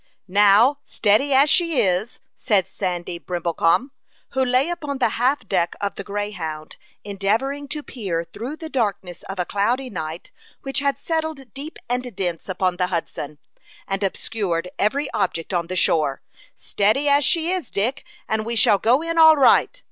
"Now, steady as she is," said Sandy Brimblecom, who lay upon the half deck of the Greyhound, endeavoring to peer through the darkness of a cloudy night, which had settled deep and dense upon the Hudson, and obscured every object on the shore. "Steady as she is, Dick, and we shall go in all right."